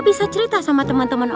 kita foto sampe dia nanti lagi ya